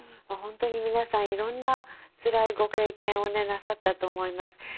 まあ本当に皆さんいろんなつらいご経験をねなさったと思います。